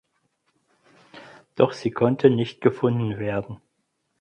Doch sie konnte nicht gefunden werden.